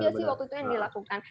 apa aja sih waktu itu yang dilakukan